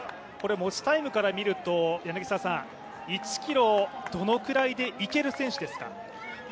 持ちタイムから見ると１ｋｍをどのくらいでいける選手ですか？